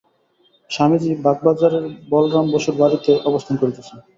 স্বামীজী বাগবাজারের বলরাম বসুর বাড়ীতে অবস্থান করিতেছেন।